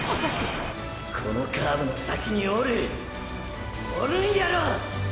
このカーブの先におるおるんやろ。